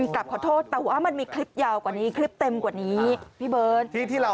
กราบขอโทษแต่ว่ามันมีคลิปเต็มกว่านี้พี่เบิร์น